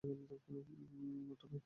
ওটা Michael Ben!